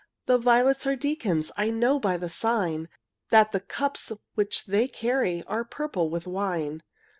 The violets are deacons I know by the sign That the cups which they carry Are purple with wine.